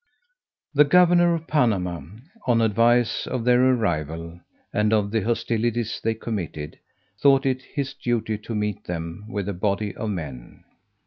The governor of Panama, on advice of their arrival, and of the hostilities they committed, thought it his duty to meet them with a body of men.